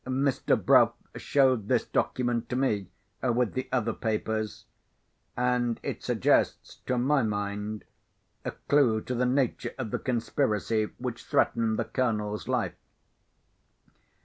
Mr. Bruff showed this document to me, with the other papers; and it suggests (to my mind) a clue to the nature of the conspiracy which threatened the Colonel's life."